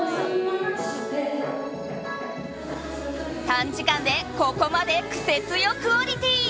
短時間でここまでクセ強クオリティー。